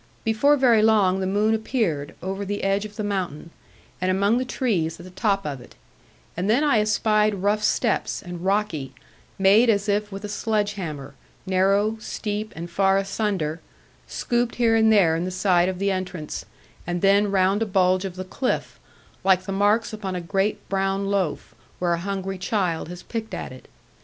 Before very long the moon appeared, over the edge of the mountain, and among the trees at the top of it; and then I espied rough steps, and rocky, made as if with a sledge hammer, narrow, steep, and far asunder, scooped here and there in the side of the entrance, and then round a bulge of the cliff, like the marks upon a great brown loaf, where a hungry child has picked at it.